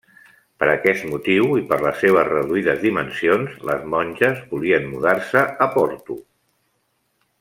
Per aquest motiu i per les seves reduïdes dimensions, les monges, volien mudar-se a Porto.